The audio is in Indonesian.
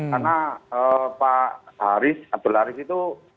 karena pak haris abdul haris itu